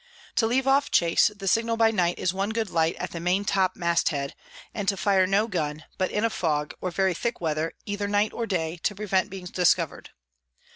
"To leave off Chase, the Signal by night is one good Light at the Maintop Mast head; and to fire no Gun, but in a Fog, or very thick Weather, either night or day, to prevent being discover'd.